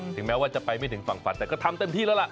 แม้ว่าจะไปไม่ถึงฝั่งฝันแต่ก็ทำเต็มที่แล้วล่ะ